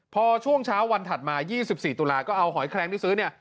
พอช่วงเช้าวันถัดมา๒๔ตุลาก็เอาหอยแคลงที่ซื้อเนี่ย